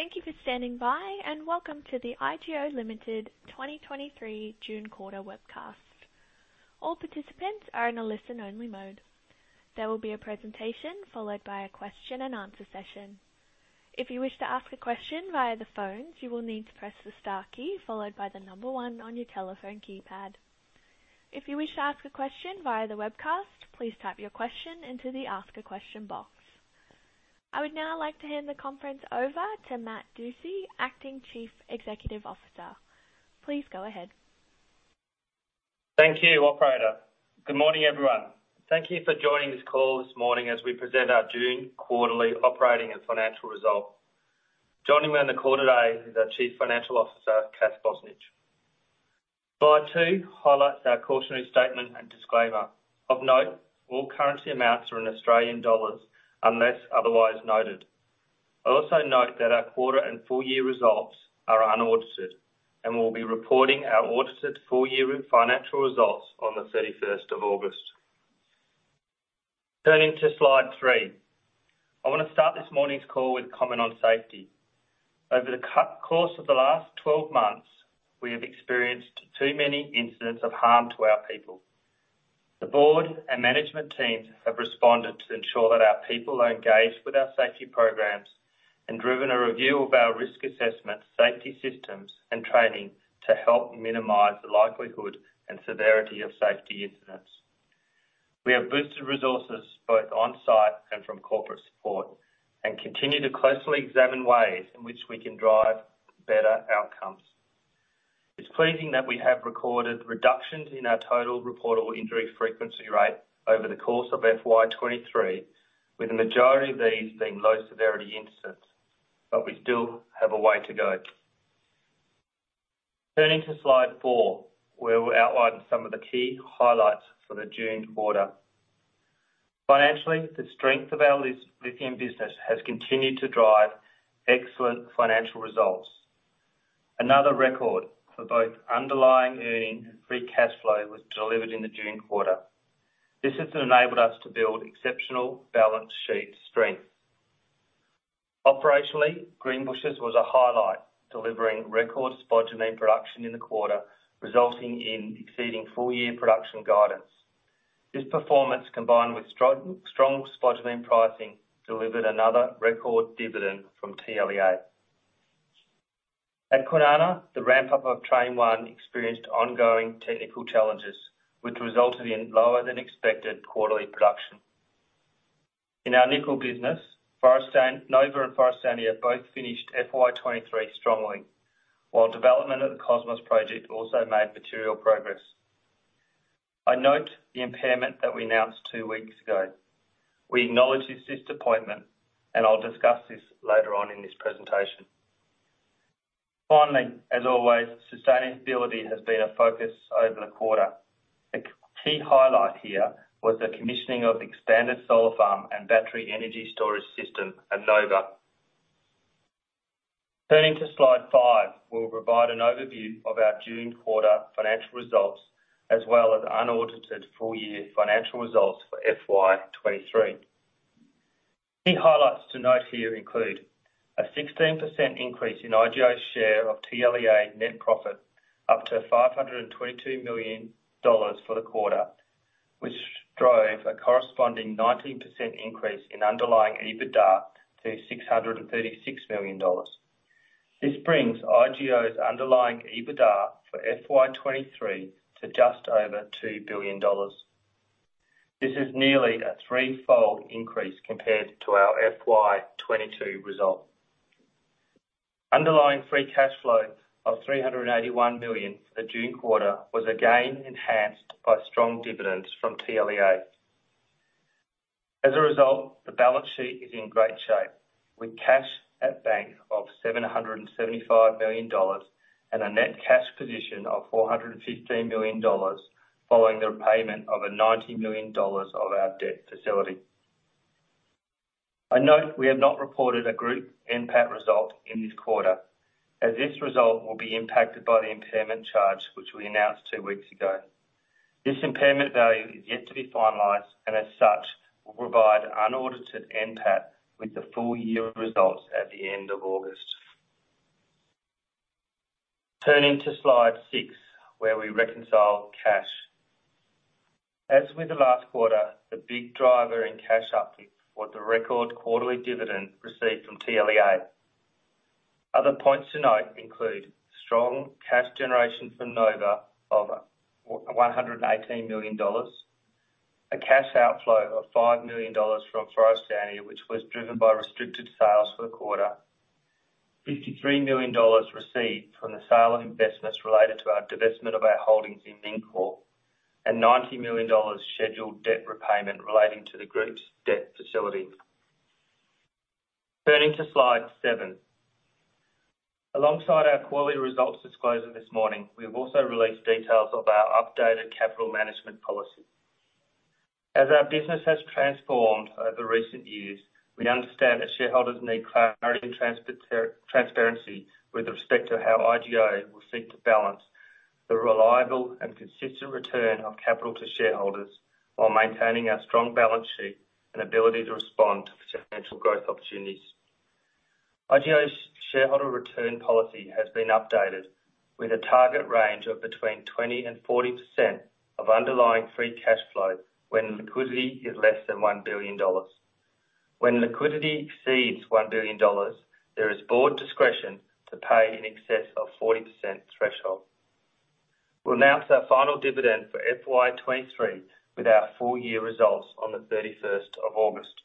Thank you for standing by, and welcome to the IGO Limited 2023 June quarter webcast. All participants are in a listen-only mode. There will be a presentation followed by a question and answer session. If you wish to ask a question via the phone, you will need to press the star key followed by one on your telephone keypad. If you wish to ask a question via the webcast, please type your question into the Ask a Question box. I would now like to hand the conference over to Matt Dusci, Acting Chief Executive Officer. Please go ahead. Thank you, operator. Good morning, everyone. Thank you for joining this call this morning as we present our June Quarterly Operating and Financial Results. Joining me on the call today is our Chief Financial Officer, Kath Bozanic. Slide 2 highlights our cautionary statement and disclaimer. Of note, all currency amounts are in Australian dollars unless otherwise noted. I also note that our quarter and full-year results are unaudited. We'll be reporting our audited full-year financial results on the 31st of August. Turning to Slide 3. I want to start this morning's call with a comment on safety. Over the course of the last 12 months, we have experienced too many incidents of harm to our people. The board and management teams have responded to ensure that our people are engaged with our safety programs and driven a review of our risk assessment, safety systems, and training to help minimize the likelihood and severity of safety incidents. We have boosted resources both on-site and from corporate support and continue to closely examine ways in which we can drive better outcomes. It's pleasing that we have recorded reductions in our total reportable injury frequency rate over the course of FY 2023, with the majority of these being low-severity incidents. We still have a way to go. Turning to Slide 4, where we outlined some of the key highlights for the June quarter. Financially, the strength of our lithium business has continued to drive excellent financial results. Another record for both underlying earnings and free cash flow was delivered in the June quarter. This has enabled us to build exceptional balance sheet strength. Operationally, Greenbushes was a highlight, delivering record spodumene production in the quarter, resulting in exceeding full-year production guidance. This performance, combined with strong, strong spodumene pricing, delivered another record dividend from TLEA. At Kwinana, the ramp-up of Train 1 experienced ongoing technical challenges, which resulted in lower than expected quarterly production. In our nickel business, Nova and Forrestania both finished FY 2023 strongly, while development of the Cosmos Project also made material progress. I note the impairment that we announced two weeks ago. We acknowledge this disappointment, and I'll discuss this later on in this presentation. Finally, as always, sustainability has been a focus over the quarter. The key highlight here was the commissioning of the expanded solar farm and battery energy storage system at Nova. Turning to Slide 5, we'll provide an overview of our June quarter financial results, as well as unaudited full-year financial results for FY 2023. Key highlights to note here include: a 16% increase in IGO's share of TLEA net profit, up to 522 million dollars for the quarter, which drove a corresponding 19% increase in underlying EBITDA to 636 million dollars. This brings IGO's underlying EBITDA for FY 2023 to just over 2 billion dollars. This is nearly a threefold increase compared to our FY 2022 result. Underlying free cash flow of 381 million for the June quarter was again enhanced by strong dividends from TLEA. As a result, the balance sheet is in great shape, with cash at bank of 775 million dollars and a net cash position of 415 million dollars, following the repayment of a 90 million dollars of our debt facility. I note we have not reported a group NPAT result in this quarter, as this result will be impacted by the impairment charge, which we announced two weeks ago. This impairment value is yet to be finalized, and as such, we'll provide unaudited NPAT with the full year results at the end of August. Turning to Slide 6, where we reconcile cash. As with the last quarter, the big driver in cash uptick was the record quarterly dividend received from TLEA. Other points to note include strong cash generation from Nova of 118 million dollars, a cash outflow of 5 million dollars from Forrestania, which was driven by restricted sales for the quarter. 53 million dollars received from the sale of investments related to our divestment of our holdings in Nickel, and AUD 90 million scheduled debt repayment relating to the group's debt facility. Turning to Slide 7. Alongside our quarterly results disclosure this morning, we have also released details of our updated capital management policy. As our business has transformed over recent years, we understand that shareholders need clarity and transparency with respect to how IGO will seek to balance. The reliable and consistent return of capital to shareholders, while maintaining our strong balance sheet and ability to respond to potential growth opportunities. IGO's shareholder return policy has been updated with a target range of between 20% and 40% of underlying free cash flow when liquidity is less than $1 billion. When liquidity exceeds $1 billion, there is board discretion to pay in excess of 40% threshold. We'll announce our final dividend for FY 2023 with our full year results on the 31st of August.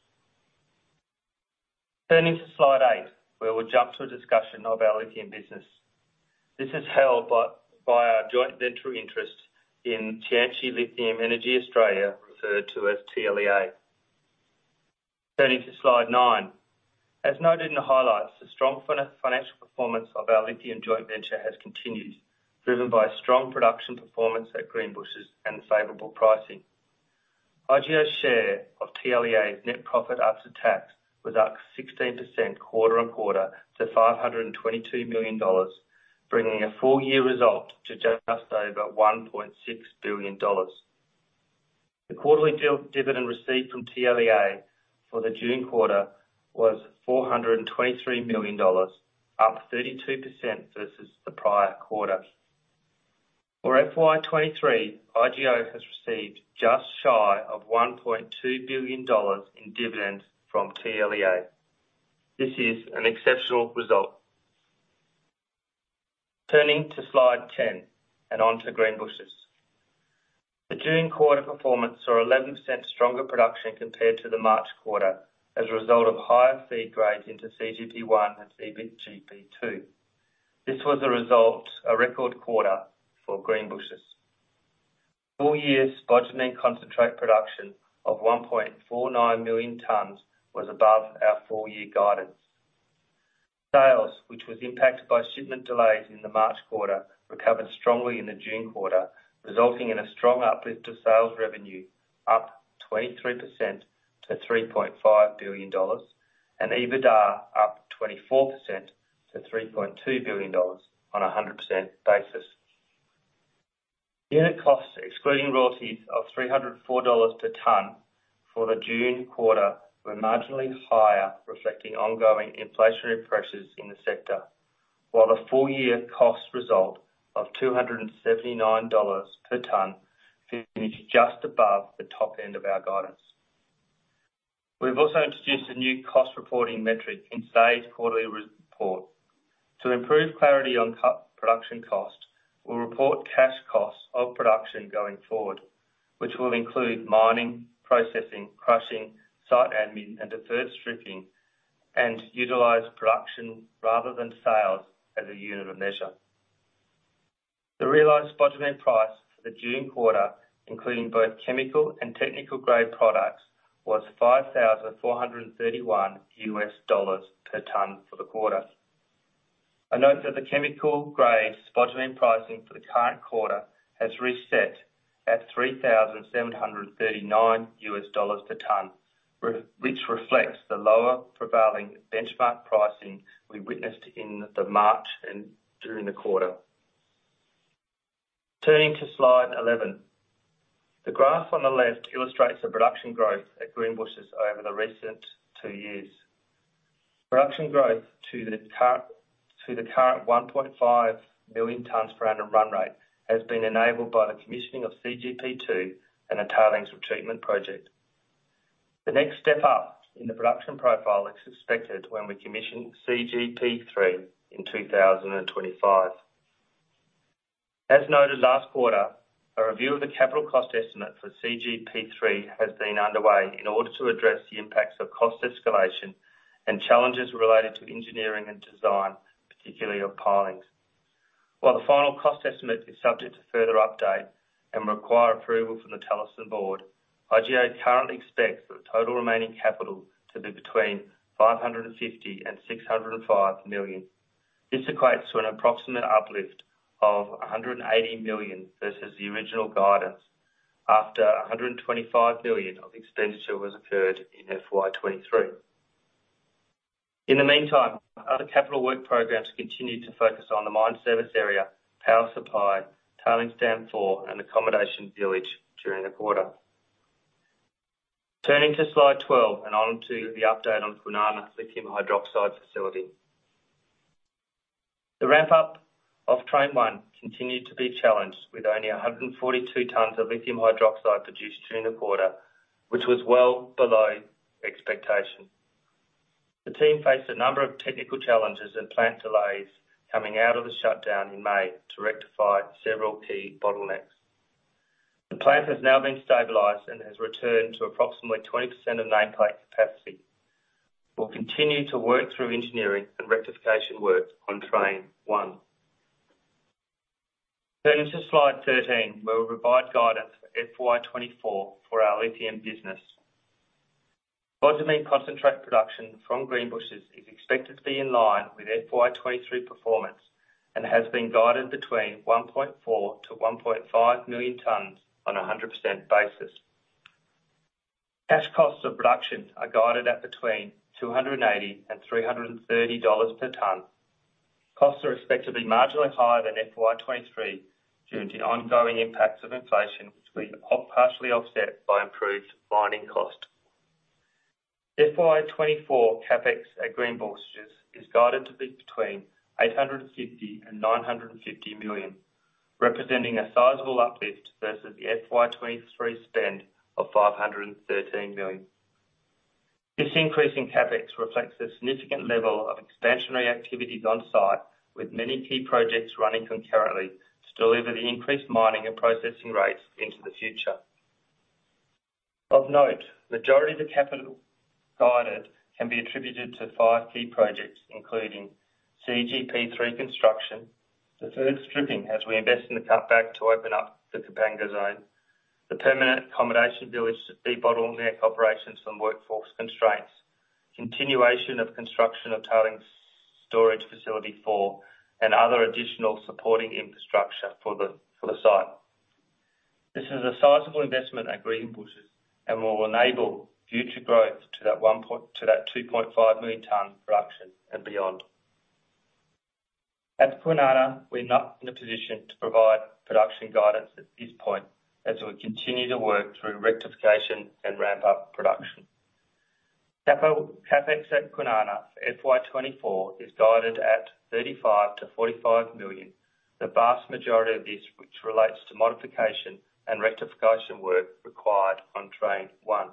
Turning to Slide 8, where we'll jump to a discussion of our lithium business. This is held by our joint venture interest in Tianqi Lithium Energy Australia, referred to as TLEA. Turning to Slide 9. As noted in the highlights, the strong financial performance of our lithium joint venture has continued, driven by strong production performance at Greenbushes and favorable pricing. IGO's share of TLEA's net profit after tax was up 16% quarter-on-quarter to $522 million, bringing a full year result to just over $1.6 billion. The quarterly dividend received from TLEA for the June quarter was $423 million, up 32% versus the prior quarter. For FY 2023, IGO has received just shy of $1.2 billion in dividends from TLEA. This is an exceptional result. Turning to Slide 10, and onto Greenbushes. The June quarter performance saw 11% stronger production compared to the March quarter as a result of higher feed grades into CGP1 and CGP2. This was a record quarter for Greenbushes. Full year spodumene concentrate production of 1.49 million tons was above our full year guidance. Sales, which was impacted by shipment delays in the March quarter, recovered strongly in the June quarter, resulting in a strong uplift of sales revenue, up 23% to 3.5 billion dollars, and EBITDA up 24% to 3.2 billion dollars on a 100% basis. Unit costs, excluding royalties, of 304 dollars per ton for the June quarter, were marginally higher, reflecting ongoing inflationary pressures in the sector, while the full year cost result of 279 dollars per ton finished just above the top end of our guidance. We've also introduced a new cost reporting metric in today's quarterly report. To improve clarity on co-production cost, we'll report cash costs of production going forward, which will include mining, processing, crushing, site admin, and deferred stripping, and utilize production rather than sales as a unit of measure. The realized spodumene price for the June quarter, including both chemical and technical-grade products, was $5,431 per ton for the quarter. I note that the chemical grade spodumene pricing for the current quarter has reset at $3,739 per ton, which reflects the lower prevailing benchmark pricing we witnessed in the March and during the quarter. Turning to Slide 11. The graph on the left illustrates the production growth at Greenbushes over the recent two years. Production growth to the current, to the current 1.5 million tons per annum run rate, has been enabled by the commissioning of CGP2 and the Tailings Retreatment Project. The next step up in the production profile is expected when we commission CGP3 in 2025. As noted last quarter, a review of the capital cost estimate for CGP3 has been underway in order to address the impacts of cost escalation and challenges related to engineering and design, particularly of pilings. While the final cost estimate is subject to further update and require approval from the Talison Board, IGO currently expects the total remaining capital to be between 550 million and 605 million. This equates to an approximate uplift of 180 million versus the original guidance, after 125 million of expenditure was incurred in FY 2023. In the meantime, other capital work programs continued to focus on the Mine Service Area, power supply, tailings dam four, and accommodation village during the quarter. Turning to Slide 12 and on to the update on Kwinana lithium hydroxide facility. The ramp-up of Train 1 continued to be challenged, with only 142 tons of lithium hydroxide produced during the quarter, which was well below expectation. The team faced a number of technical challenges and plant delays coming out of the shutdown in May to rectify several key bottlenecks. The plant has now been stabilized and has returned to approximately 20% of nameplate capacity. We'll continue to work through engineering and rectification work on Train 1. Turning to Slide 13, where we'll provide guidance for FY 2024 for our lithium business. Spodumene concentrate production from Greenbushes is expected to be in line with FY 2023 performance and has been guided between 1.4 million-1.5 million tonnes on a 100% basis. Cash costs of production are guided at between 280 and 330 dollars per tonne. Costs are expected to be marginally higher than FY 2023 due to the ongoing impacts of inflation, which we partially offset by improved mining cost. FY 2024 CapEx at Greenbushes is guided to be between 850 million and 950 million, representing a sizable uplift versus the FY 2023 spend of 513 million. This increase in CapEx reflects a significant level of expansionary activities on site, with many key projects running concurrently to deliver the increased mining and processing rates into the future. Of note, majority of the capital guided can be attributed to 5 key projects, including CGP3 construction, the third stripping as we invest in the cutback to open up the Kapanga zone, the permanent accommodation village to de-bottleneck operations from workforce constraints, continuation of construction of Tailings Storage Facility 4, and other additional supporting infrastructure for the site. This is a sizable investment at Greenbushes and will enable future growth to that 2.5 million tons production and beyond. At Kwinana, we're not in a position to provide production guidance at this point, as we continue to work through rectification and ramp up production. Capital CapEx at Kwinana for FY 2024 is guided at 35 million-45 million. The vast majority of this, which relates to modification and rectification work required on Train 1.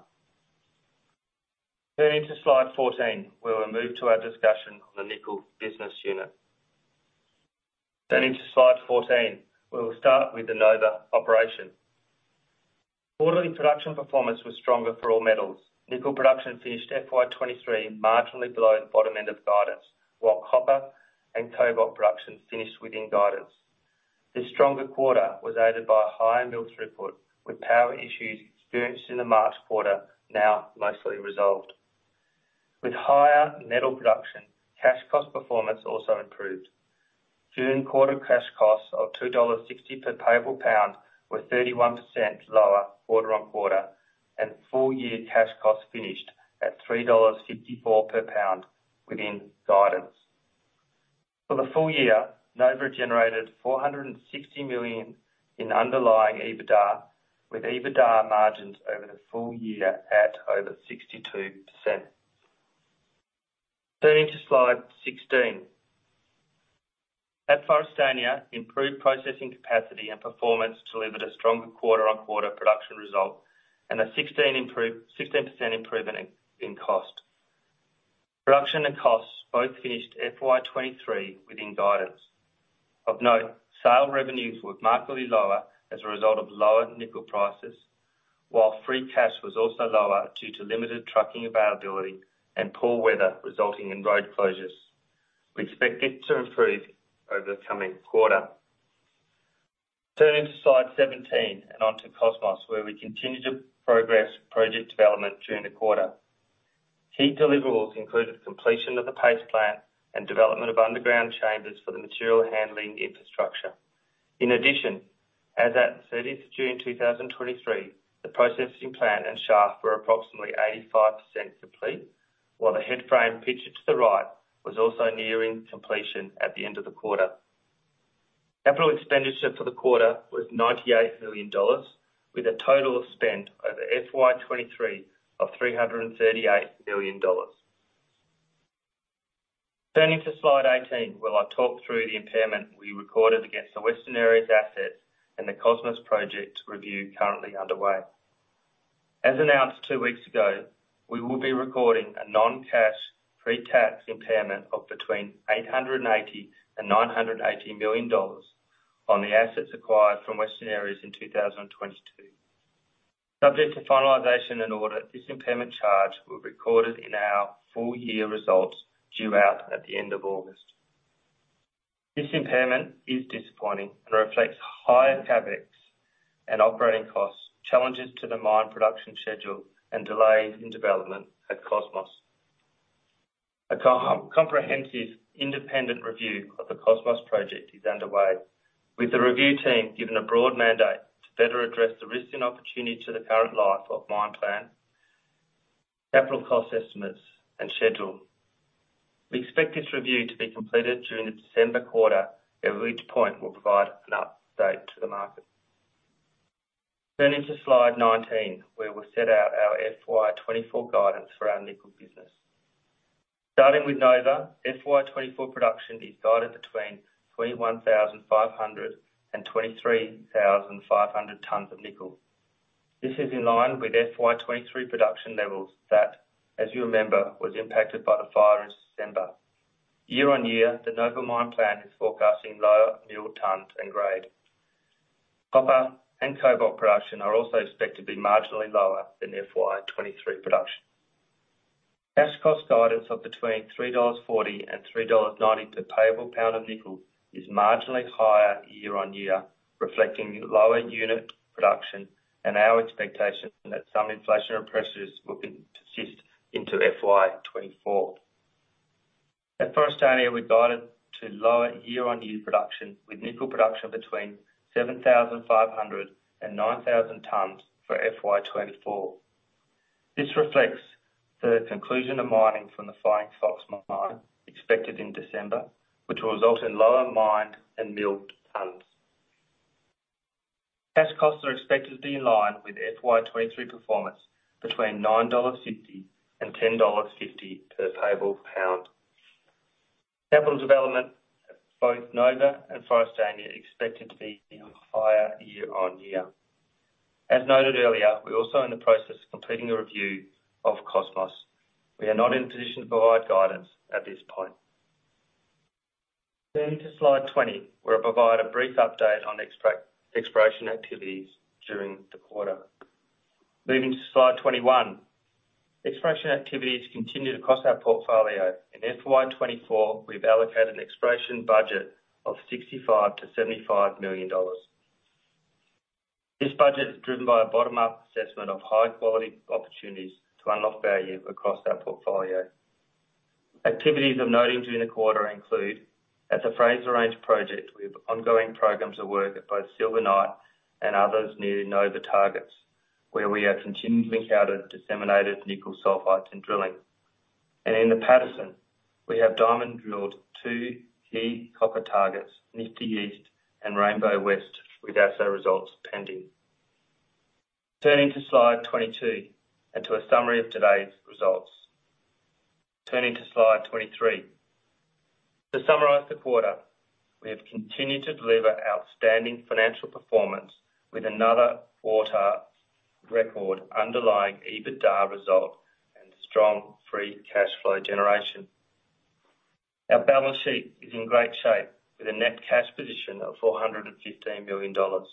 Turning to Slide 14, where we'll move to our discussion on the nickel business unit. Into Slide 14, we will start with the Nova operation. Quarterly production performance was stronger for all metals. Nickel production finished FY 2023 marginally below the bottom end of guidance, while copper and cobalt production finished within guidance. This stronger quarter was aided by a higher mill throughput, with power issues experienced in the March quarter, now mostly resolved. With higher metal production, cash cost performance also improved. June quarter cash costs of 2.60 dollars per payable pound were 31% lower quarter-on-quarter, and full year cash costs finished at 3.54 dollars per pound within guidance. For the full year, Nova generated 460 million in underlying EBITDA, with EBITDA margins over the full year at over 62%. Turning to Slide 16. At Forrestania, improved processing capacity and performance delivered a stronger quarter-on-quarter production result and a 16% improvement in, in cost. Production and costs both finished FY 2023 within guidance. Of note, sale revenues were markedly lower as a result of lower nickel prices, while free cash was also lower due to limited trucking availability and poor weather resulting in road closures. We expect it to improve over the coming quarter. Turning to Slide 17 and onto Cosmos, where we continued to progress project development during the quarter. Key deliverables included completion of the paste plant and development of underground chambers for the material handling infrastructure. In addition, as at the 30th of June 2023, the processing plant and shaft were approximately 85% complete, while the headframe pictured to the right was also nearing completion at the end of the quarter. Capital expenditure for the quarter was 98 million dollars, with a total of spend over FY 2023 of 338 million dollars. Turning to Slide 18, where I'll talk through the impairment we recorded against the Western Areas assets and the Cosmos Project review currently underway. As announced two weeks ago, we will be recording a non-cash pre-tax impairment of between 880 million and 980 million dollars on the assets acquired from Western Areas in 2022. Subject to finalization and audit, this impairment charge will be recorded in our full year results, due out at the end of August. This impairment is disappointing and reflects higher CapEx and operating costs, challenges to the mine production schedule, and delays in development at Cosmos. A comprehensive, independent review of the Cosmos project is underway, with the review team given a broad mandate to better address the risks and opportunities to the current life of Mine Plan, capital cost estimates, and schedule. We expect this review to be completed during the December quarter. At which point, we'll provide an update to the market. Turning to Slide 19, where we set out our FY 2024 guidance for our nickel business. Starting with Nova, FY 2024 production is guided between 21,500 and 23,500 tons of nickel. This is in line with FY 2023 production levels that, as you remember, was impacted by the fire in December. Year-on-year, the Nova Mine Plan is forecasting lower milled tons and grade. Copper and cobalt production are also expected to be marginally lower than FY 2023 production. Cash cost guidance of between 3.40 dollars and 3.90 dollars per payable pound of nickel is marginally higher year-on-year, reflecting lower unit production and our expectation that some inflationary pressures will persist into FY 2024. At Forrestania, we guided to lower year-on-year production, with nickel production between 7,500 and 9,000 tons for FY 2024. This reflects the conclusion of mining from the Flying Fox mine, expected in December, which will result in lower mined and milled tons. Cash costs are expected to be in line with FY 2023 performance, between 9.50 dollars and 10.50 dollars per payable pound. Capital development at both Nova and Forrestania are expected to be higher year-on-year. As noted earlier, we're also in the process of completing a review of Cosmos. We are not in a position to provide guidance at this point. Turning to Slide 20, we'll provide a brief update on exploration activities during the quarter. Moving to Slide 21. Exploration activities continue across our portfolio. In FY 2024, we've allocated an exploration budget of 65 million-75 million dollars. This budget is driven by a bottom-up assessment of high quality opportunities to unlock value across our portfolio. Activities of note during the quarter include, at the Fraser Range project, we have ongoing programs of work at both Silver Knight and others near Nova targets, where we have continued to encounter disseminated nickel sulfides in drilling. In the Paterson, we have diamond drilled two key copper targets, Nifty East and Rainbow West, with assay results pending. Turning to Slide 22, and to a summary of today's results. Turning to Slide 23. To summarize the quarter, we have continued to deliver outstanding financial performance with another quarter record underlying EBITDA result and strong free cash flow generation. Our balance sheet is in great shape with a net cash position of 415 million dollars.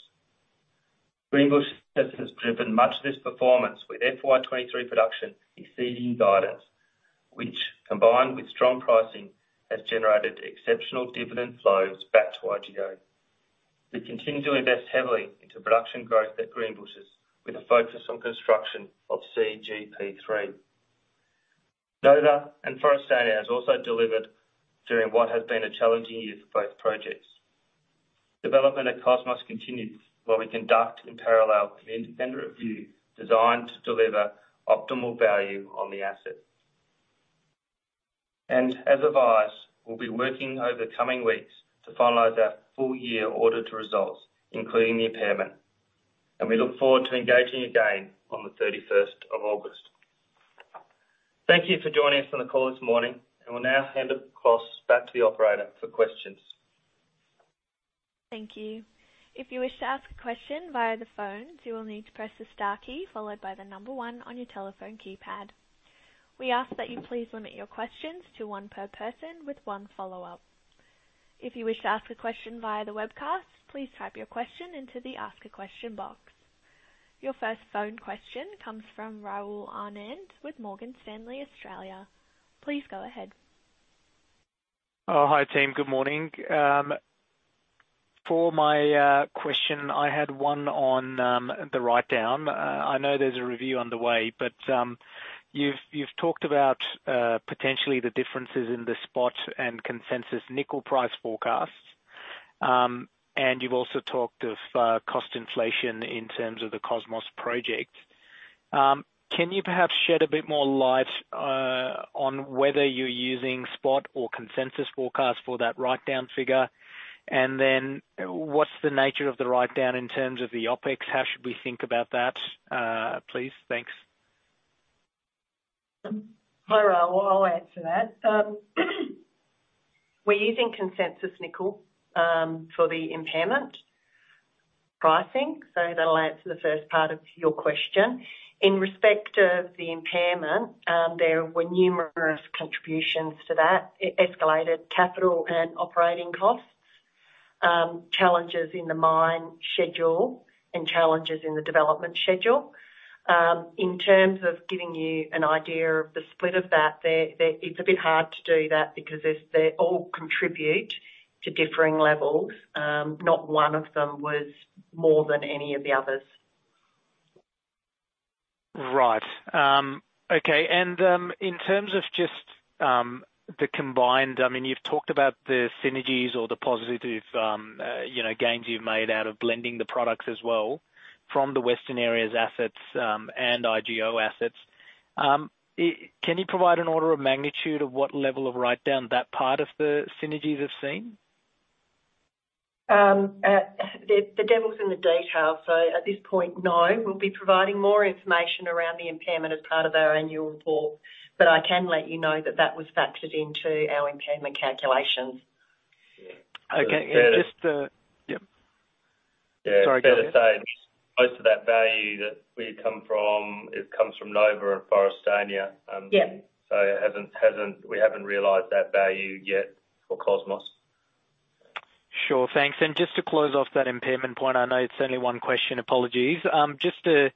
Greenbushes has driven much of this performance, with FY 2023 production exceeding guidance, which, combined with strong pricing, has generated exceptional dividend flows back to IGO. We continue to invest heavily into production growth at Greenbushes, with a focus on construction of CGP3. Nova and Forrestania has also delivered during what has been a challenging year for both projects. Development at Cosmos continues, while we conduct in parallel an independent review designed to deliver optimal value on the asset. As advised, we'll be working over the coming weeks to finalize our full year audited results, including the impairment. We look forward to engaging again on the thirty-first of August. Thank you for joining us on the call this morning. We'll now hand it across back to the operator for questions. Thank you. If you wish to ask a question via the phone, you will need to press the star key followed by one on your telephone keypad. We ask that you please limit your questions to one per person with one follow-up. If you wish to ask a question via the webcast, please type your question into the Ask a Question box. Your first phone question comes from Rahul Anand with Morgan Stanley, Australia. Please go ahead. Oh, hi, team. Good morning. For my question, I had one on the writedown. I know there's a review on the way, but you've, you've talked about potentially the differences in the spot and consensus nickel price forecasts. You've also talked of cost inflation in terms of the Cosmos Project. Can you perhaps shed a bit more light on whether you're using spot or consensus forecast for that writedown figure? What's the nature of the writedown in terms of the OpEx? How should we think about that, please? Thanks. Hi, Rahul. I'll answer that. We're using consensus nickel for the impairment pricing, so that'll answer the first part of your question. In respect of the impairment, there were numerous contributions to that. It escalated capital and operating costs, challenges in the mine schedule, and challenges in the development schedule. In terms of giving you an idea of the split of that, it's a bit hard to do that because they all contribute to differing levels. Not one of them was more than any of the others. Right. okay. In terms of just, the combined-- I mean, you've talked about the synergies or the positive, you know, gains you've made out of blending the products as well from the Western Areas assets and IGO assets. Can you provide an order of magnitude of what level of writedown that part of the synergies have seen? The, the devil's in the detail, so at this point, no. We'll be providing more information around the impairment as part of our annual report, but I can let you know that that was factored into our impairment calculations. Okay. Just, Yeah. Yep. Sorry, go ahead. Yeah, fair to say, most of that value that we come from, it comes from Nova and Forrestania. Yeah. It hasn't, we haven't realized that value yet for Cosmos. Sure. Thanks. Just to close off that impairment point, I know it's only one question, apologies. Just to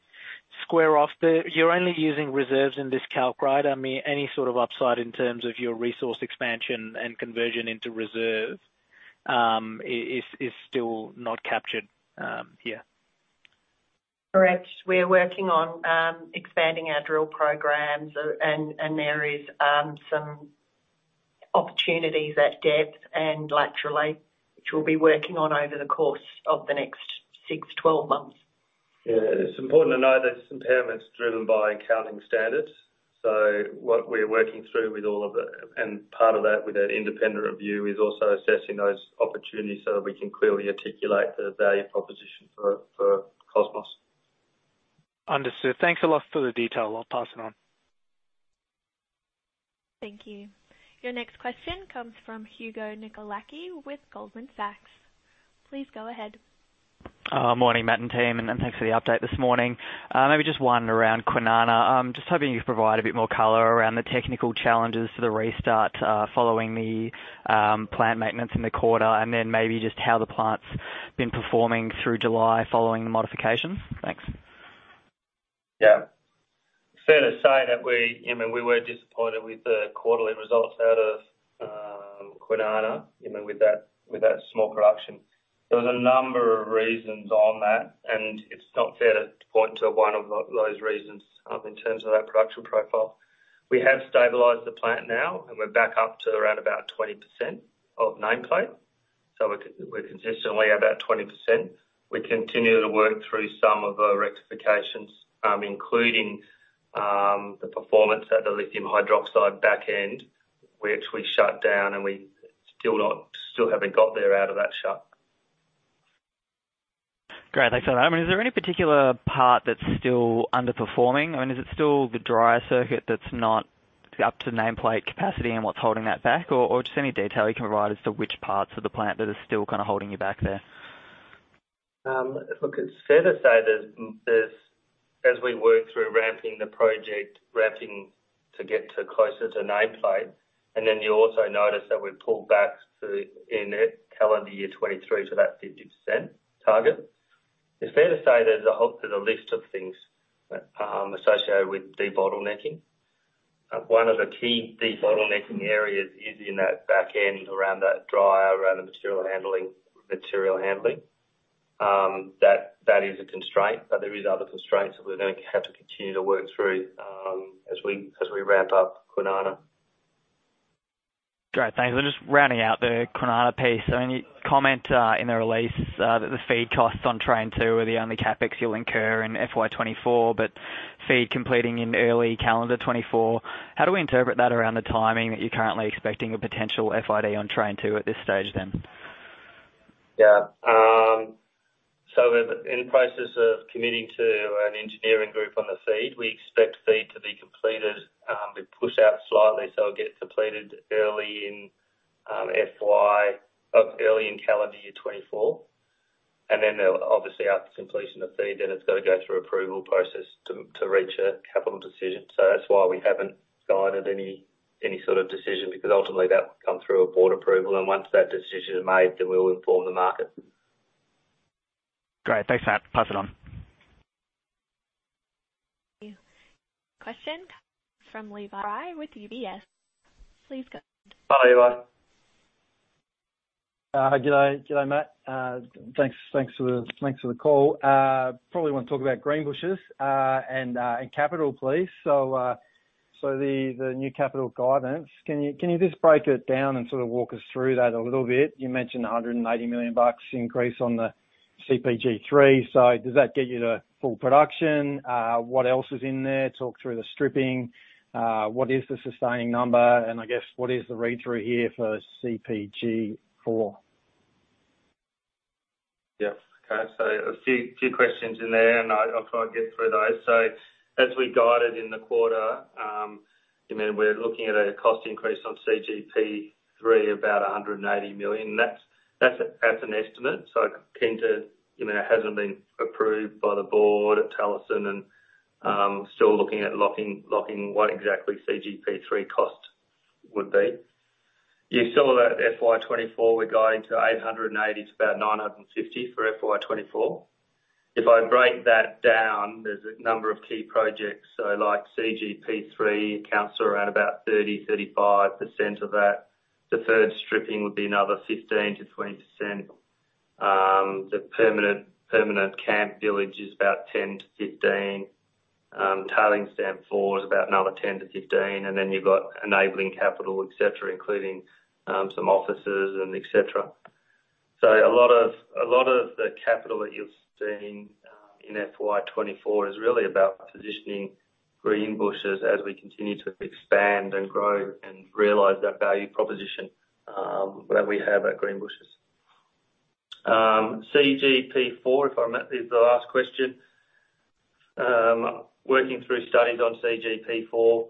square off, you're only using reserves in this calc, right? I mean, any sort of upside in terms of your resource expansion and conversion into reserves, is still not captured here?... Correct. We're working on expanding our drill programs, and, and there is some opportunities at depth and laterally, which we'll be working on over the course of the next 6 months-12 months. Yeah, it's important to note that this impairment's driven by accounting standards. What we're working through with all of and part of that, with that independent review, is also assessing those opportunities so that we can clearly articulate the value proposition for, for Cosmos. Understood. Thanks a lot for the detail. I'll pass it on. Thank you. Your next question comes from Hugo Nicolaci with Goldman Sachs. Please go ahead. Morning, Matt and team, and thanks for the update this morning. Maybe just one around Kwinana. Just hoping you could provide a bit more color around the technical challenges to the restart, following the plant maintenance in the quarter, and then maybe just how the plant's been performing through July following the modifications. Thanks. Yeah. Fair to say that we, you know, we were disappointed with the quarterly results out of Kwinana, you know, with that, with that small production. There was a number of reasons on that, and it's not fair to point to one of those reasons in terms of that production profile. We have stabilized the plant now, and we're back up to around about 20% of nameplate. We're, we're consistently about 20%. We continue to work through some of our rectifications, including the performance at the lithium hydroxide back end, which we shut down, and we still not-- still haven't got there out of that shut. Great. Thanks for that. I mean, is there any particular part that's still underperforming? I mean, is it still the dryer circuit that's not up to nameplate capacity and what's holding that back? Or just any detail you can provide as to which parts of the plant that are still kind of holding you back there? Look, it's fair to say there's, there's as we work through ramping the project, ramping to get to closer to nameplate, and then you also notice that we've pulled back to in calendar year 2023 to that 50% target. It's fair to say there's a whole, there's a list of things that associated with debottlenecking. One of the key debottlenecking areas is in that back end, around that dryer, around the material handling, material handling. That, that is a constraint, but there is other constraints that we're going to have to continue to work through as we, as we ramp up Kwinana. Great, thanks. Just rounding out the Kwinana piece, I mean, you comment, in the release, that the feed costs on Train 2 are the only CapEx you'll incur in FY 2024. Feed completing in early calendar 2024. How do we interpret that around the timing that you're currently expecting a potential FID on Train 2 at this stage then? Yeah. We're in the process of committing to an engineering group on the feed. We expect feed to be completed, we've pushed out slightly, so it'll get completed early in FY, early in calendar year 2024. There'll obviously, after completion of feed, then it's got to go through approval process to, to reach a capital decision. That's why we haven't guided any, any sort of decision, because ultimately that will come through a board approval, and once that decision is made, then we'll inform the market. Great. Thanks for that. Pass it on. Thank you. Question from Levi with UBS. Please go ahead. Hi, Levi. thanks for the, thanks for the call. Probably want to talk about Greenbushes and capital, please. So the new capital guidance, can you just break it down and sort of walk us through that a little bit? You mentioned a 180 million bucks increase on the CGP3. So does that get you to full production? What else is in there? Talk through the stripping. What is the sustaining number? And I guess, what is the read-through here for CGP4? Yeah. Okay. A few, few questions in there, and I, I'll try to get through those. As we guided in the quarter, you know, we're looking at a cost increase on CGP3, about 180 million. That's an estimate, so keen to you know, it hasn't been approved by the board at Talison, and still looking at locking what exactly CGP3 cost would be. You saw that FY 2024, we're going to 880 to about 950 for FY 2024. If I break that down, there's a number of key projects. Like CGP3 accounts for around about 30%-35% of that. Deferred stripping would be another 15%-20%. The permanent camp village is about 10%-15%. Tailing stamp 4 is about another 10%-15%. Then you've got enabling capital, et cetera, including some offices and et cetera. So a lot of, a lot of the capital that you've seen in FY 2024 is really about positioning Greenbushes as we continue to expand and grow and realize that value proposition that we have at Greenbushes. CGP4, if I met, is the last question. Working through studies on CGP4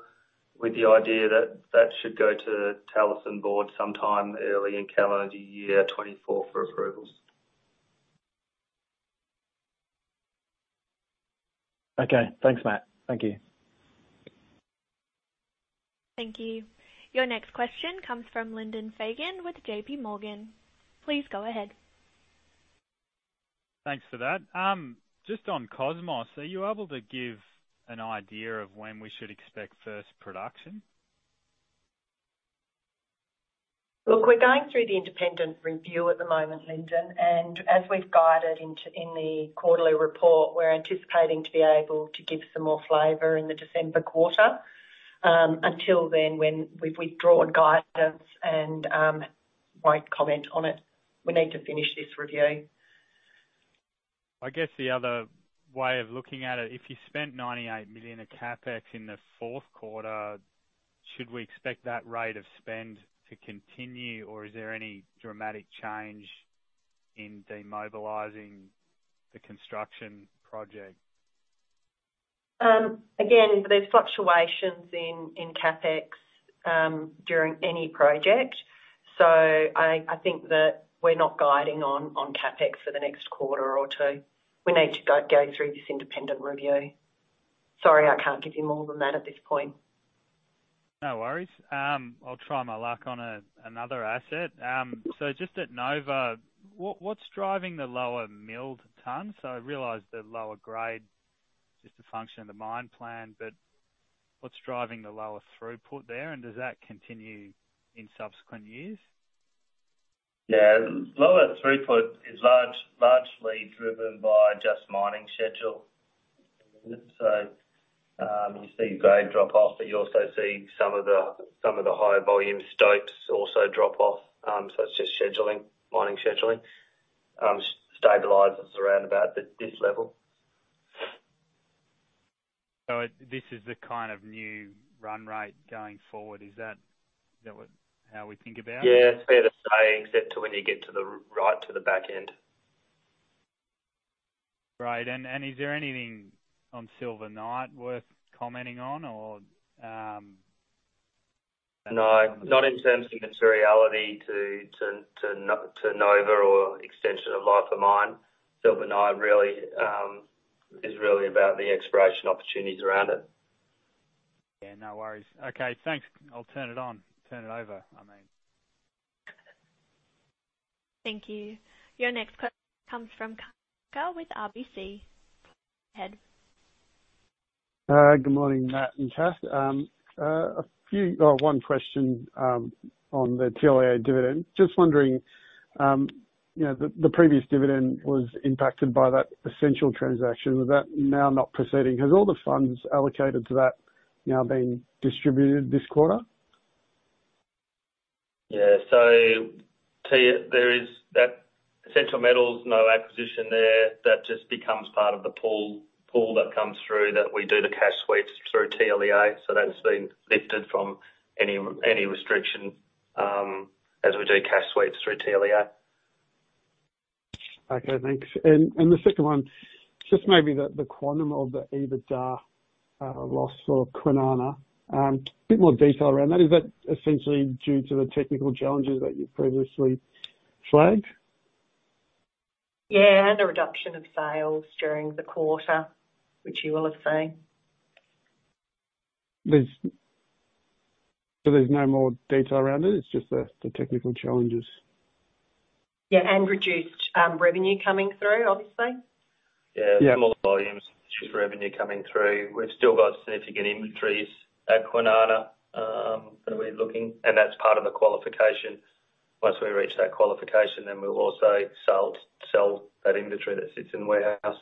with the idea that that should go to Talison board sometime early in calendar year 2024 for approvals. Okay. Thanks, Matt. Thank you. Thank you. Your next question comes from Lyndon Fagan with J.P. Morgan. Please go ahead. Thanks for that. Just on Cosmos, are you able to give an idea of when we should expect first production? Look, we're going through the independent review at the moment, Lyndon, and as we've guided into, in the quarterly report, we're anticipating to be able to give some more flavor in the December quarter. Until then, when we've withdrawn guidance and won't comment on it. We need to finish this review. I guess the other way of looking at it, if you spent 98 million of CapEx in the fourth quarter, should we expect that rate of spend to continue, or is there any dramatic change in demobilizing the construction project? Again, there's fluctuations in, in CapEx during any project. I, I think that we're not guiding on, on CapEx for the next quarter or two. We need to go, go through this independent review. Sorry, I can't give you more than that at this point. No worries. I'll try my luck on a, another asset. Just at Nova, what, what's driving the lower milled tons? I realize the lower grade, just a function of the Mine Plan, but what's driving the lower throughput there? Does that continue in subsequent years? Yeah. Lower throughput is largely driven by just mining schedule. You see grade drop off, but you also see some of the, some of the higher volume stokes also drop off. It's just scheduling, mining scheduling, stabilizes around about this, this level. This is the kind of new run rate going forward, is that, is that what, how we think about it? Yeah, it's fair to say, except to when you get to the right, to the back end. Right. Is there anything on Silver Knight worth commenting on or? No, not in terms of materiality to, to, to Nova or extension of life of mine. Silver Knight really is really about the exploration opportunities around it. Yeah, no worries. Okay, thanks. I'll turn it over, I mean. Thank you. Your next question comes from Carter with RBC. Go ahead. Good morning, Matt and Kath One question on the TLEA dividend. Just wondering, you know, the previous dividend was impacted by that essential transaction. With that now not proceeding, has all the funds allocated to that now been distributed this quarter? Yeah. There is that Essential Metals, no acquisition there. That just becomes part of the pool, pool that comes through, that we do the cash sweeps through TLEA. That's been lifted from any, any restriction, as we do cash sweeps through TLEA. Okay, thanks. The second one, just maybe the quantum of the EBITDA loss for Kwinana. A bit more detail around that. Is that essentially due to the technical challenges that you previously flagged? Yeah, the reduction of sales during the quarter, which you will have seen. There's no more detail around it, it's just the technical challenges? Yeah, and reduced, revenue coming through, obviously. Yeah. Lower volumes, revenue coming through. We've still got significant inventories at Kwinana that we're looking. That's part of the qualification. Once we reach that qualification, we'll also sell, sell that inventory that sits in the warehouse.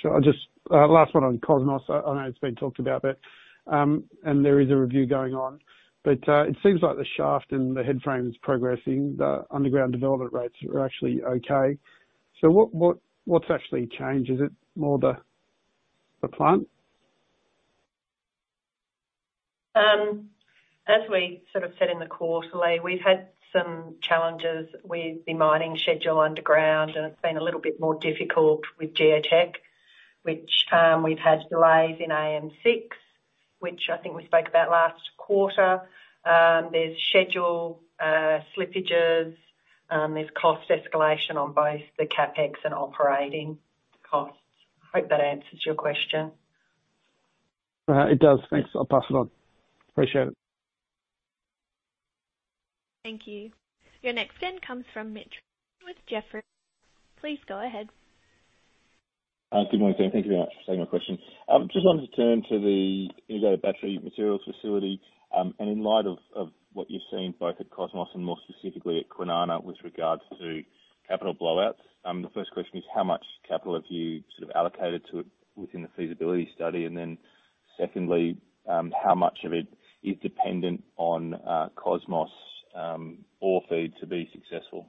Sure. I'll just, last one on Cosmos. I, I know it's been talked about, but, and there is a review going on, but, it seems like the shaft and the headframe is progressing. The underground development rates are actually okay. What, what, what's actually changed? Is it more the, the plant? As we sort of said in the quarterly, we've had some challenges with the mining schedule underground, and it's been a little bit more difficult with geotech, which, we've had delays in AM6, which I think we spoke about last quarter. There's schedule slippages, there's cost escalation on both the CapEx and operating costs. I hope that answers your question. It does. Thanks. I'll pass it on. Appreciate it. Thank you. Your next turn comes from Mitch with Jefferies. Please go ahead. Good morning. Thank you very much for taking my question. Just wanted to turn to the Integrated Battery Materials Facility, and in light of what you've seen both at Cosmos and more specifically at Kwinana with regards to capital blowouts. The first question is: How much capital have you sort of allocated to it within the feasibility study? Secondly, how much of it is dependent on Cosmos ore feed to be successful?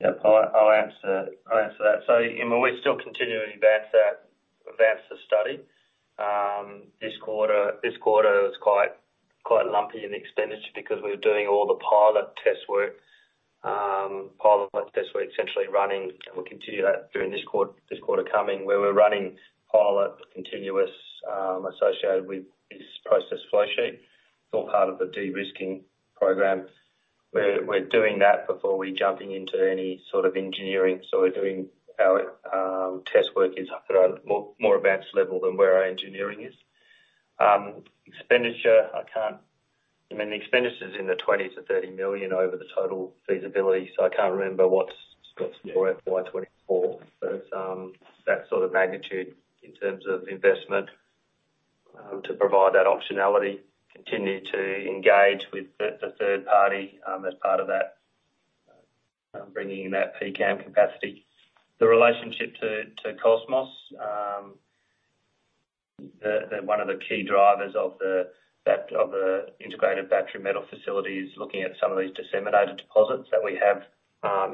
Yep, I, I'll answer, I'll answer that. You know, we're still continuing to advance that, advance the study. This quarter, this quarter was quite, quite lumpy in the expenditure because we were doing all the pilot test work. Pilot test work essentially running, and we'll continue that during this quarter, this quarter coming, where we're running pilot continuous associated with this process flow sheet. It's all part of the de-risking program, where we're doing that before we jumping into any sort of engineering. We're doing our test work is at a more, more advanced level than where our engineering is. Expenditure, I can't, I mean, the expenditure's in the 20 million-30 million over the total feasibility, so I can't remember what's, what's for FY 2024. That sort of magnitude.... in terms of investment, to provide that optionality, continue to engage with the third party, as part of that, bringing in that PCAM capacity. The relationship to Cosmos, the one of the key drivers of the Integrated Battery Materials Facility is looking at some of these disseminated deposits that we have,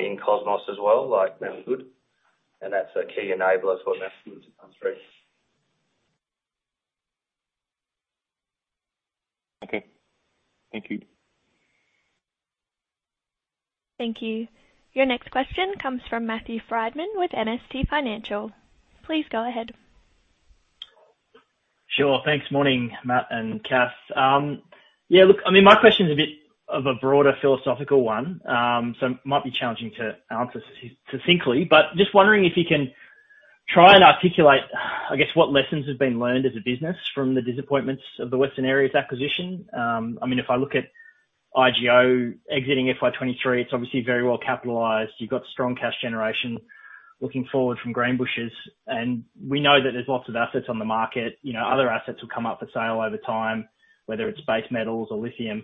in Cosmos as well, like Mount Wood, and that's a key enabler for them to come through. Okay. Thank you. Thank you. Your next question comes from Matthew Frydman with MST Financial. Please go ahead. Sure. Thanks. Morning, Matt and Kath. Yeah, look, I mean, my question is a bit of a broader philosophical one, so it might be challenging to answer succinctly, but just wondering if you can try and articulate, I guess, what lessons have been learned as a business from the disappointments of the Western Areas acquisition? I mean, if I look at IGO exiting FY 2023, it's obviously very well capitalized. You've got strong cash generation looking forward from Greenbushes, and we know that there's lots of assets on the market. You know, other assets will come up for sale over time, whether it's base metals or lithium.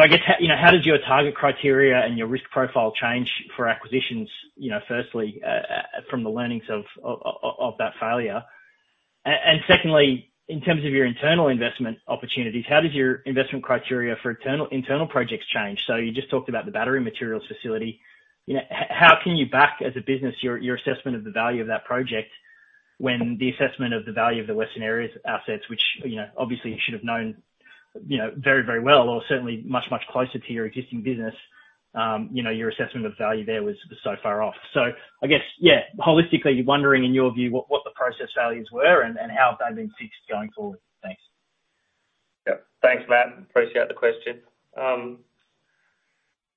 I guess, you know, how does your target criteria and your risk profile change for acquisitions, you know, firstly, from the learnings of that failure? Secondly, in terms of your internal investment opportunities, how does your investment criteria for internal, internal projects change? You just talked about the Battery Materials Facility. You know, how can you back, as a business, your, your assessment of the value of that project, when the assessment of the value of the Western Areas assets, which, you know, obviously you should have known, you know, very, very well or certainly much, much closer to your existing business, you know, your assessment of value there was, was so far off. I guess, yeah, holistically, wondering in your view, what, what the process failures were and, and how have they been fixed going forward? Thanks. Yeah. Thanks, Matt. Appreciate the question.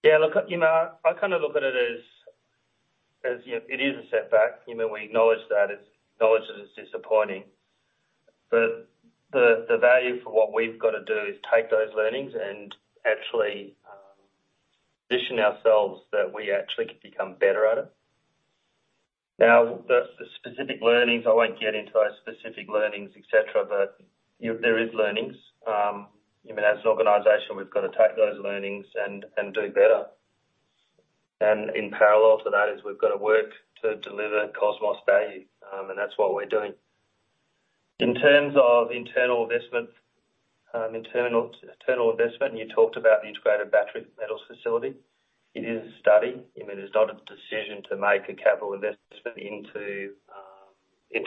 Yeah, look, you know, I kind of look at it as, as, you know, it is a setback. You know, we acknowledge that. Acknowledge that it's disappointing, but the, the value for what we've got to do is take those learnings and actually position ourselves that we actually can become better at it. Now, the, the specific learnings, I won't get into those specific learnings, et cetera, but, you know, there is learnings. You know, as an organization, we've got to take those learnings and, and do better. In parallel to that is we've got to work to deliver Cosmos value, and that's what we're doing. In terms of internal investment, internal, internal investment, you talked about the Integrated Battery Materials Facility. It is a study. I mean, there's not a decision to make a capital investment into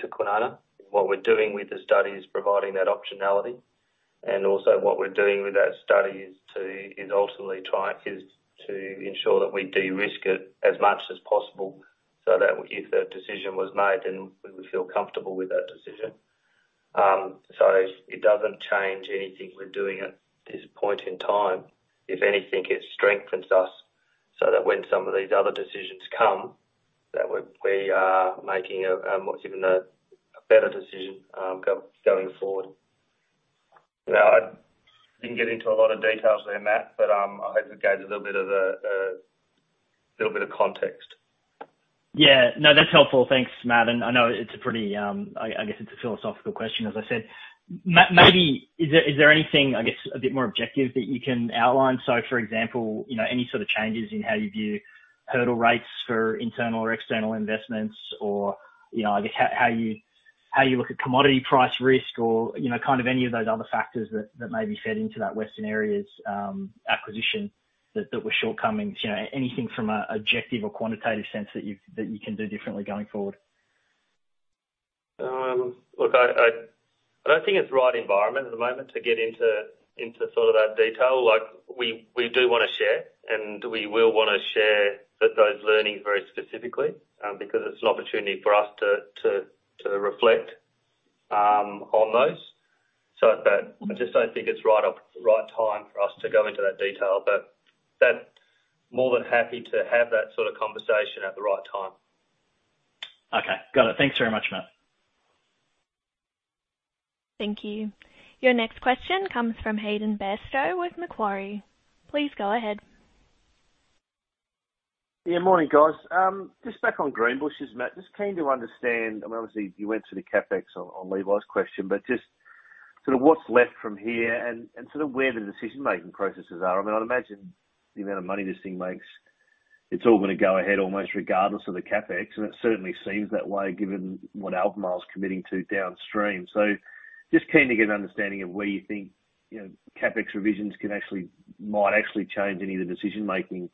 Kwinana. What we're doing with the study is providing that optionality, and also what we're doing with that study is to, is ultimately try is to ensure that we de-risk it as much as possible, so that if the decision was made, then we would feel comfortable with that decision. It doesn't change anything we're doing at this point in time. If anything, it strengthens us, so that when some of these other decisions come, that we're, we are making a, what's even a, a better decision, go-going forward. I didn't get into a lot of details there, Matt, but, I hope it gave a little bit of a, a, little bit of context. Yeah. No, that's helpful. Thanks, Matt, and I know it's a pretty, I guess it's a philosophical question, as I said. Maybe is there, is there anything, I guess, a bit more objective that you can outline? For example, you know, any sort of changes in how you view hurdle rates for internal or external investments or, you know, I guess, how you look at commodity price risk or, you know, kind of any of those other factors that, that may be fed into that Western Areas acquisition that, that were shortcomings, you know, anything from an objective or quantitative sense that you, that you can do differently going forward? look, I, I, I don't think it's the right environment at the moment to get into, into sort of that detail. Like, we, we do want to share, and we will want to share those learnings very specifically, because it's an opportunity for us to, to, to reflect on those. I just don't think it's the right time for us to go into that detail, but more than happy to have that sort of conversation at the right time. Okay. Got it. Thanks very much, Matt. Thank you. Your next question comes from Hayden Bairstow with Macquarie. Please go ahead. Yeah, morning, guys. Just back on Greenbushes, Matt. Just keen to understand, I mean, obviously you went through the CapEx on, on Levi's question, but just sort of what's left from here and, and sort of where the decision-making processes are. I mean, I'd imagine the amount of money this thing makes, it's all going to go ahead almost regardless of the CapEx, and it certainly seems that way, given what Albemarle is committing to downstream. Just keen to get an understanding of where you think, you know, CapEx revisions can actually, might actually change any of the decision-making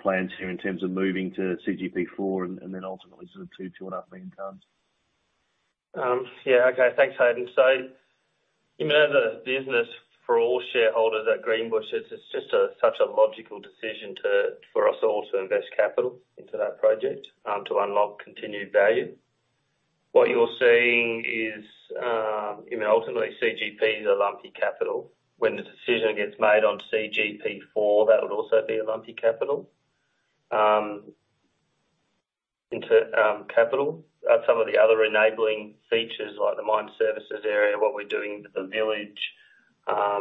plans here in terms of moving to CGP4 and, and then ultimately sort of 2-2.5 million tons. Yeah, okay. Thanks, Hayden. You know, the business for all shareholders at Greenbushes, it's just a, such a logical decision to, for us all to invest capital into that project, to unlock continued value. What you're seeing is, you know, ultimately CGP is a lumpy capital. When the decision gets made on CGP4, that would also be a lumpy capital. Into capital. Some of the other enabling features, like the Mine Services Area, what we're doing with the village,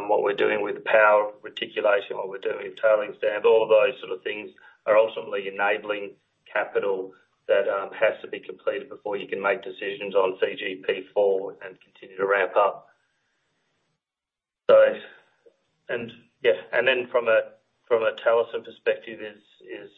what we're doing with power reticulation, what we're doing with tailings dam, all of those sort of things are ultimately enabling capital that has to be completed before you can make decisions on CGP4 and continue to ramp up. Yes, from a, from a Talison perspective is, is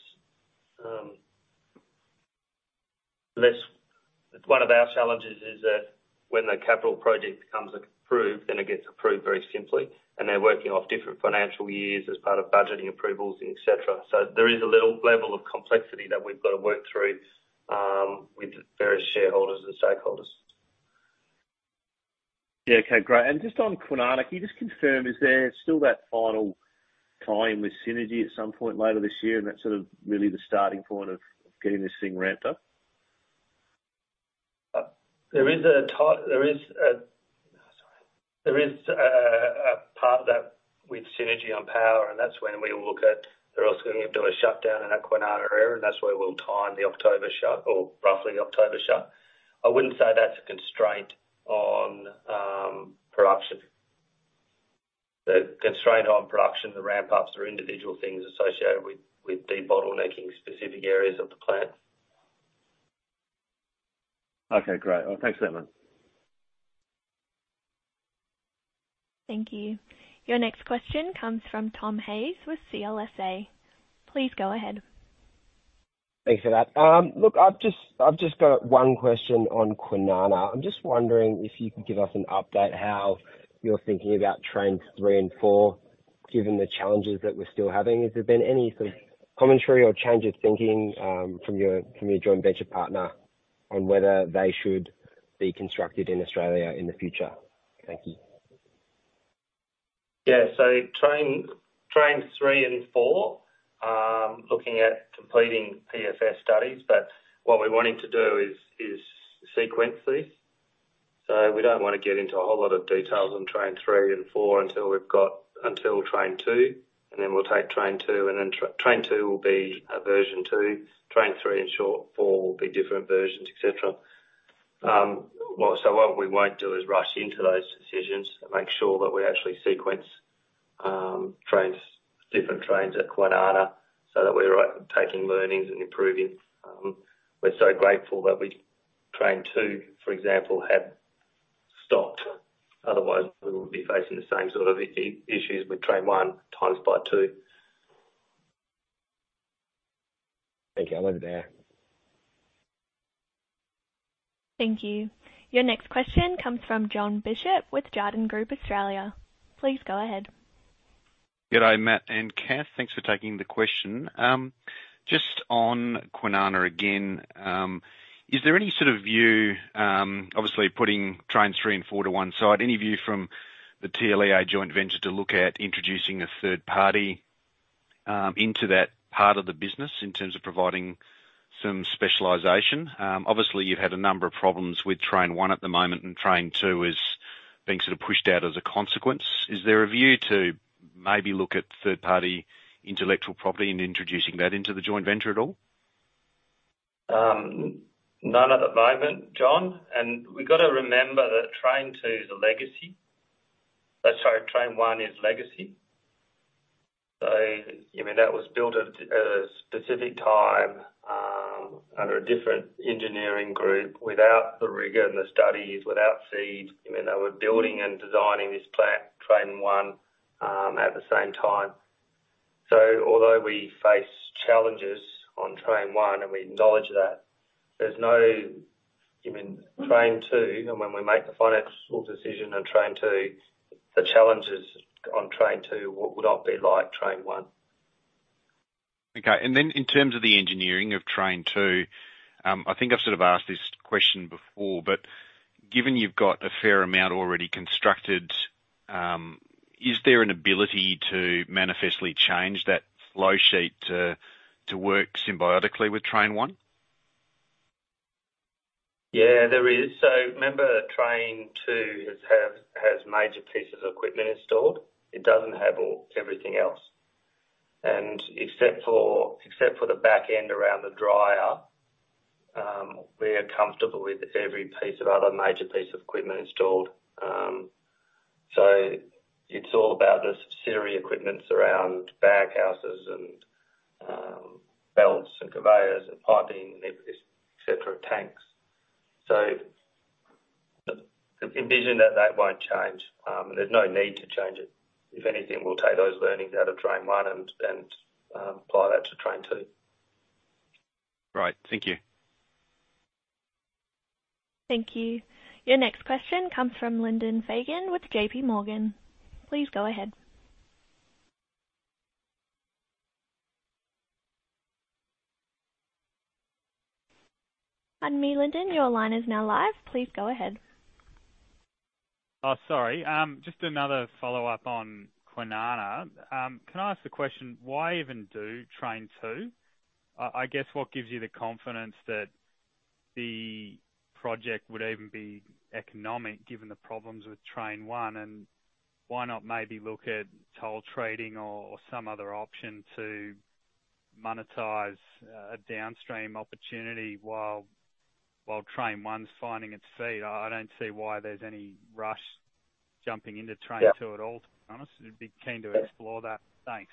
one of our challenges is that when the capital project becomes approved, then it gets approved very simply, and they're working off different financial years as part of budgeting approvals, et cetera. There is a little level of complexity that we've got to work through with various shareholders and stakeholders. Yeah. Okay, great. Just on Kwinana, can you just confirm, is there still that final tie-in with Synergy at some point later this year, and that's sort of really the starting point of, of getting this thing ramped up? There is a part of that with Synergy on power, and that's when we look at they're also going to do a shutdown in that Kwinana area, and that's where we'll time the October shut or roughly October shut. I wouldn't say that's a constraint on production. The constraint on production, the ramp ups are individual things associated with, with debottlenecking specific areas of the plant. Okay, great. Well, thanks for that, Matt. Thank you. Your next question comes from Tom Hayes with CLSA. Please go ahead. Thanks for that. look, I've just, I've just got one question on Kwinana. I'm just wondering if you could give us an update on how you're thinking about Trains 3 and 4, given the challenges that we're still having. Has there been any sort of commentary or change of thinking, from your, from your joint venture partner on whether they should be constructed in Australia in the future? Thank you. Train, Trains 3 and 4, looking at completing PFS studies, but what we're wanting to do is, is sequence these. We don't want to get into a whole lot of details on Train 3 and 4 until we've got until Train 2, and then we'll take Train 2, and then Train 2 will be a version 2. Train 3 and 4 will be different versions, et cetera. What we won't do is rush into those decisions and make sure that we actually sequence Trains, different Trains at Kwinana so that we're taking learnings and improving. We're so grateful that we... Train 2, for example, had stopped. Otherwise, we would be facing the same sort of issues with Train 1 times by two. Thank you. I'll leave it there. Thank you. Your next question comes from Jon Bishop with Jarden. Please go ahead. Good day, Matt and Kath. Thanks for taking the question. Just on Kwinana again, is there any sort of view, obviously putting Trains 3 and 4 to one side, any view from the TLEA joint venture to look at introducing a third party into that part of the business in terms of providing some specialization? Obviously, you've had a number of problems with Train 1 at the moment, and Train 2 is being sort of pushed out as a consequence. Is there a view to maybe look at third-party intellectual property and introducing that into the joint venture at all? None at the moment, Jon. We've got to remember that Train 2 is a legacy. Train 1 is legacy. That was built at a specific time, under a different engineering group, without the rigor and the studies, without feed. They were building and designing this plant, Train 1, at the same time. Although we face challenges on Train 1, and we acknowledge that, there's no, I mean, Train 2. When we make the financial decision on Train 2, the challenges on Train 2 would, would not be like Train 1. Okay. In terms of the engineering of Train 2, I think I've sort of asked this question before, but given you've got a fair amount already constructed, is there an ability to manifestly change that flow sheet to, to work symbiotically with Train 1? Yeah, there is. Remember, Train 2 has major pieces of equipment installed. It doesn't have all, everything else. Except for, except for the back end around the dryer, we are comfortable with every piece of other major piece of equipment installed. It's all about the subsidiary equipment around bag houses and belts and conveyors and piping and everything, et cetera, tanks. The envision that that won't change, there's no need to change it. If anything, we'll take those learnings out of Train 1 and apply that to Train 2. Right. Thank you. Thank you. Your next question comes from Lyndon Fagan with J.P. Morgan. Please go ahead. Pardon me, Lyndon, your line is now live. Please go ahead. Oh, sorry. Just another follow-up on Kwinana. Can I ask the question, why even do Train 2? I guess, what gives you the confidence that the project would even be economic, given the problems with Train 1, and why not maybe look at toll trading or, or some other option to monetize a downstream opportunity while Train 1's finding its feet. I, I don't see why there's any rush jumping into Train 2. Yeah. at all, to be honest. You'd be keen to explore that. Thanks.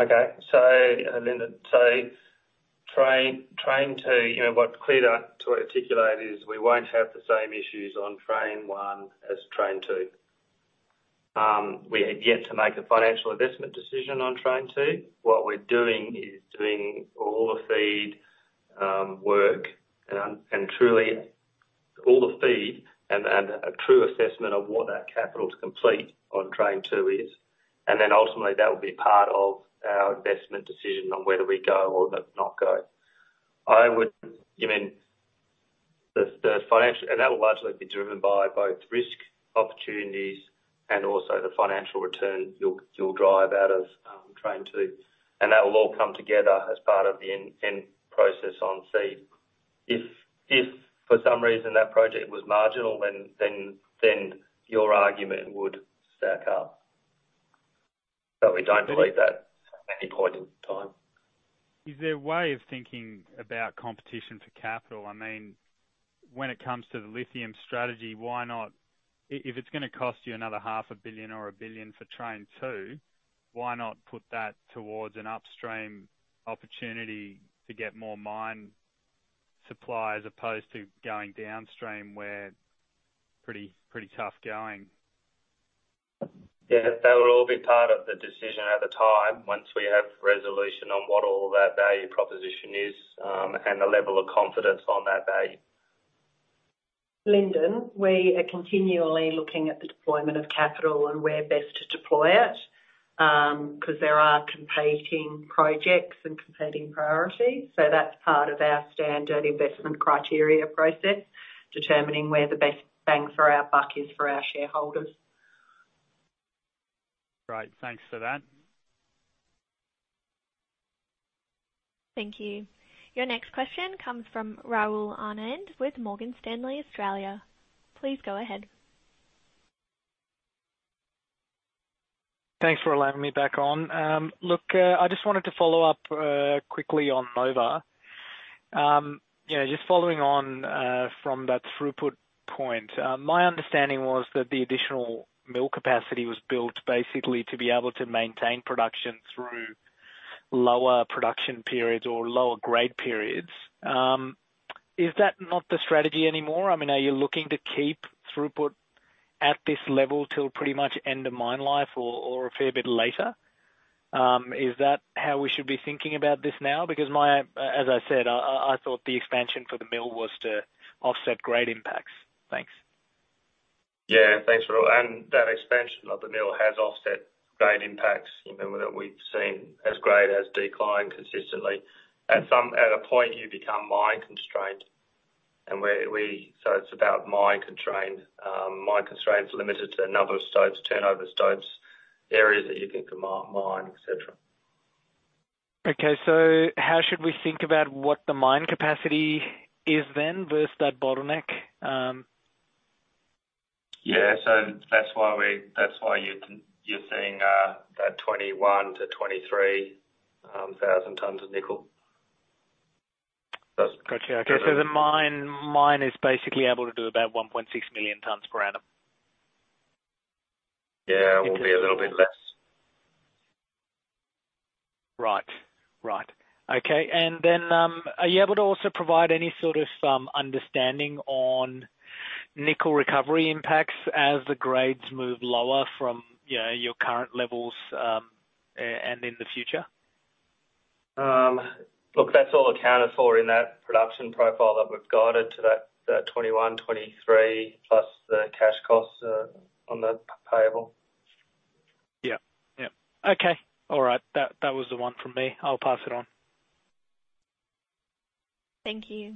Okay. Lyndon, Train, Train 2, you know, what's clear to articulate is we won't have the same issues on Train 1 as Train 2. We are yet to make a financial investment decision on Train 2. What we're doing is doing all the feed work and truly all the feed and a true assessment of what that capital to complete on Train 2 is. Then ultimately, that will be part of our investment decision on whether we go or not go. I mean, that will largely be driven by both risk, opportunities, and also the financial return you'll, you'll drive out of Train 2. That will all come together as part of the end, end process on feed. If for some reason that project was marginal, then your argument would stack up. We don't believe that at any point in time. Is there a way of thinking about competition for capital? I mean, when it comes to the lithium strategy, why not... if it's gonna cost you another $500 million or $1 billion for Train 2, why not put that towards an upstream opportunity to get more mine supply, as opposed to going downstream, where pretty, pretty tough going? Yeah, that will all be part of the decision at the time, once we have resolution on what all of that value proposition is, and the level of confidence on that value. Lyndon, we are continually looking at the deployment of capital and where best to deploy it, 'cause there are competing projects and competing priorities. That's part of our standard investment criteria process, determining where the best bang for our buck is for our shareholders. Great. Thanks for that. Thank you. Your next question comes from Rahul Anand with Morgan Stanley Australia. Please go ahead. Thanks for allowing me back on. Look, I just wanted to follow up quickly on Nova. You know, just following on from that throughput point. My understanding was that the additional mill capacity was built basically to be able to maintain production through lower production periods or lower grade periods. Is that not the strategy anymore? I mean, are you looking to keep throughput at this level till pretty much end of mine life or, or a fair bit later? Is that how we should be thinking about this now? Because my, as I said, I, I, I thought the expansion for the mill was to offset grade impacts. Thanks. Yeah, thanks, Rahul. That expansion of the mill has offset grade impacts. You know, that we've seen as grade has declined consistently. At a point, you become mine constrained. It's about mine constraint. Mine constraint is limited to the number of stopes, turnover stopes, areas that you think can mine, et cetera. How should we think about what the mine capacity is then versus that bottleneck? Yeah. That's why That's why you're, you're seeing, that 21,000-23,000 tons of nickel. That's- Gotcha. Okay. The mine, mine is basically able to do about 1.6 million tons per annum? Yeah. It will be- A little bit less. Right. Right. Okay, are you able to also provide any sort of, understanding on nickel recovery impacts as the grades move lower from, you know, your current levels, and in the future? Look, that's all accounted for in that production profile that we've guided to that, 2021-2023, plus the cash costs, on the payable. Yeah. Yeah. Okay. All right, that, that was the one from me. I'll pass it on. Thank you.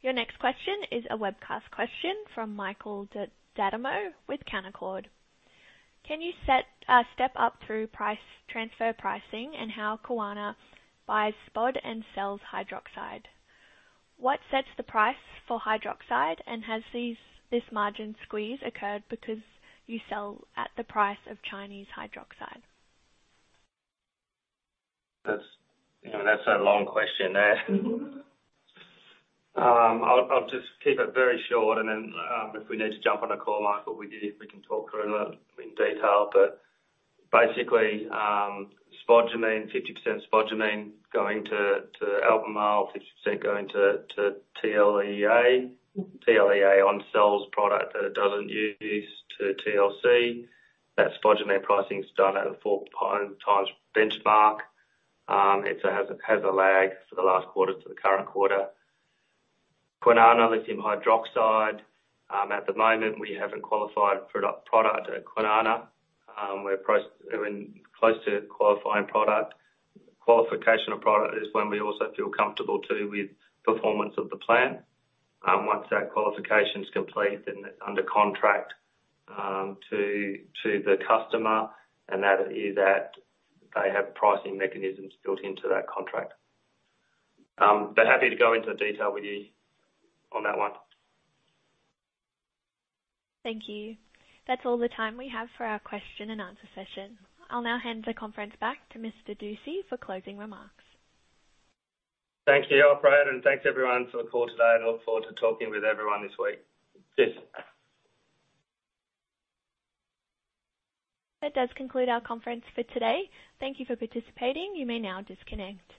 Your next question is a webcast question from Michael D'Adamo with Canaccord. Can you set, step up through price, transfer pricing and how Kwinana buys spod and sells hydroxide? What sets the price for hydroxide, and has this margin squeeze occurred because you sell at the price of Chinese hydroxide? That's, you know, that's a long question there. I'll, I'll just keep it very short, and then, if we need to jump on a call, Michael, with you, we can talk through that in detail. Basically, spodumene, 50% spodumene, going to, to Albemarle, 50% going to, to TLEA. TLEA on sells product that it doesn't use to TLC. That spodumene pricing is done at a 4 times benchmark. It's a, has a, has a lag for the last quarter to the current quarter. Kwinana lithium hydroxide, at the moment, we haven't qualified product at Kwinana. I mean, close to qualifying product. Qualification of product is when we also feel comfortable, too, with performance of the plant. Once that qualification is complete, then it's under contract to, to the customer, and that is that they have pricing mechanisms built into that contract. Happy to go into detail with you on that one. Thank you. That's all the time we have for our question and answer session. I'll now hand the conference back to Mr. Dusci for closing remarks. Thank you, operator. Thanks everyone for the call today. I look forward to talking with everyone this week. Cheers! That does conclude our conference for today. Thank you for participating. You may now disconnect.